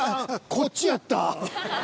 こっちやった。